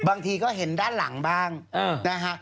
บางทีก็เห็นด้านหลังบ้างนะฮะ